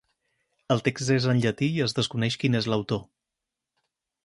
El text és en llatí i es desconeix qui n'és l'autor.